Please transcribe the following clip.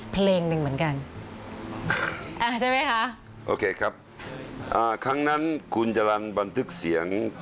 เพลงหนึ่งเหมือนกันอ่าใช่ไหมคะโอเคครับอ่าครั้งนั้นคุณจรรย์บันทึกเสียง